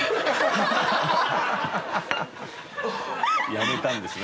やめたんですね。